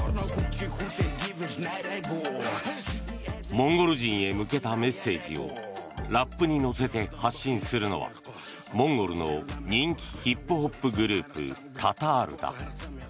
モンゴル人へ向けたメッセージをラップに乗せて発信するのはモンゴルの人気ヒップホップグループＴＡＴＡＲだ。